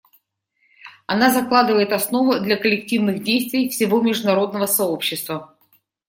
Она закладывает основу для коллективных действий всего международного сообщества.